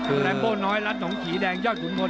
แรมโบน้อยรัฐสงขี่แดงยอดกุโมน